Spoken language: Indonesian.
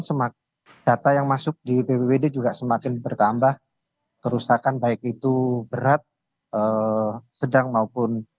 semakin data yang masuk di bpwd juga semakin bertambah kerusakan baik itu berat sedang maupun